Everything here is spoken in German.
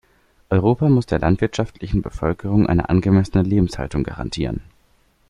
Europa muss der landwirtschaftlichen Bevölkerung eine angemessene Lebenshaltung garantieren.